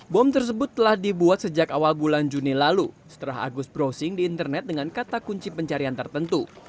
bom tersebut telah dibuat sejak awal bulan juni lalu setelah agus browsing di internet dengan kata kunci pencarian tertentu